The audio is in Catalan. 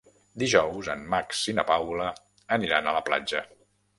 Dijous en Max i na Paula aniran a la platja.